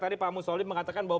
tadi pak musolid mengatakan bahwa